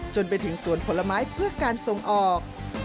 จนไปถึงสวนผลไม้เพื่อการส่งออก